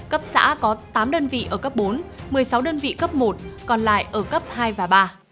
cấp xã có tám đơn vị ở cấp bốn một mươi sáu đơn vị cấp một còn lại ở cấp hai và ba